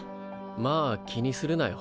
まあ気にするなよ。